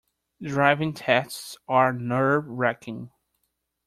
Driving tests are nerve-racking.